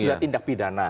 itu sudah tindak pidana